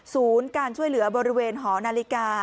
การช่วยเหลือบริเวณหอนาฬิกา